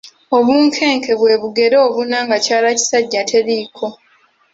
Obunkenke bwe bugere obuna nga kyala kisajja tekiriiko.